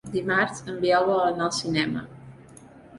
Dimarts en Biel vol anar al cinema.